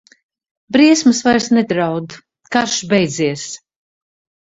Briesmas vairs nedraud, karš beidzies.